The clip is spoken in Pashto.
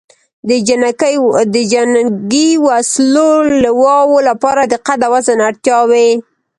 د جنګي وسلو لواو لپاره د قد او وزن اړتیاوې